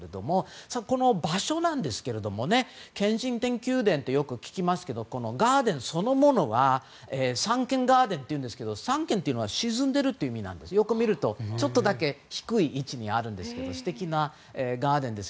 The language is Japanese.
そして、この場所なんですがケンジントン宮殿ってよく聞きますけどこのガーデンそのものはサンケンガーデンというんですけどサンケンというのは沈んでいるという意味でよく見ると、ちょっとだけ低い位置にあるんですけど素敵なガーデンです。